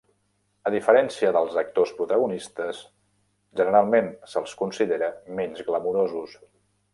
A diferència dels actors protagonistes, generalment se'ls considera menys glamurosos.